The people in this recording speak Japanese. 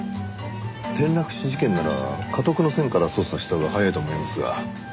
転落死事件ならかとくの線から捜査したほうが早いと思いますが。